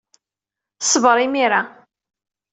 Ṣber imir-a.